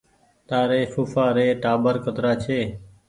تآري ڦوڦآ ري ٽآٻر ڪترآ ڇي